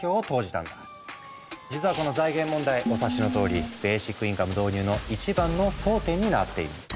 実はこの財源問題お察しのとおりベーシックインカム導入の一番の争点になっているの。